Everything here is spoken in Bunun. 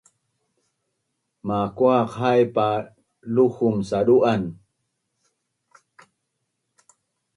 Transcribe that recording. Makua haip pa luhum sadu’an?